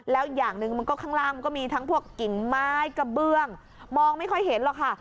แล้วอย่างหนึ่งมันก็ข้างล่างมันก็มีทั้งพวกกิ่งไม้กระเบื้องมองไม่ค่อยเห็นหรอกค่ะ